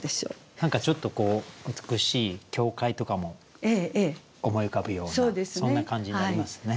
何かちょっとこう美しい教会とかも思い浮かぶようなそんな感じになりますね。